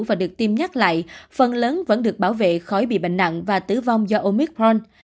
và được tiêm nhắc lại phần lớn vẫn được bảo vệ khỏi bị bệnh nặng và tử vong do omicron